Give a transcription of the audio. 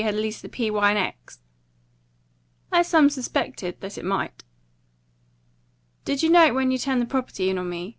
had leased the P. Y. & X.?" "I some suspected that it might." "Did you know it when you turned the property in on me?